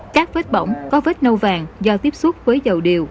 các vết bỏng có vết nâu vàng do tiếp xúc với dầu điều